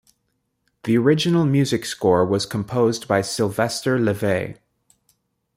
The original music score was composed by Sylvester Levay.